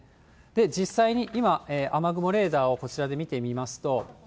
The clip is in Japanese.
実際に今、雨雲レーダーをこちらで見てみますと。